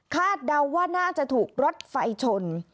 เดาว่าน่าจะถูกรถไฟชน